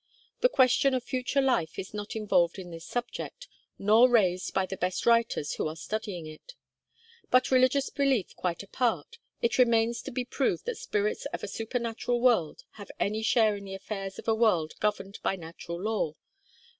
The question of a future life is not involved in this subject, nor raised by the best writers who are studying it; but, religious belief quite apart, it remains to be proved that spirits of a supernatural world have any share in the affairs of a world governed by natural law.